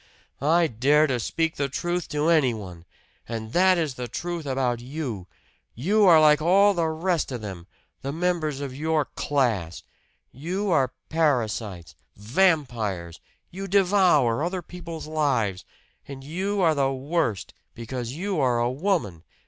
"I dare to speak the truth to anyone! And that is the truth about you! You are like all the rest of them the members of your class. You are parasites vampires you devour other people's lives! And you are the worst, because you are a woman!